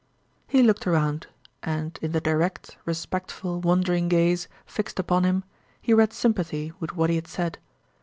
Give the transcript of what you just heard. He looked around, and in the direct, respectful, wondering gaze fixed upon him he read sympathy with what he had said.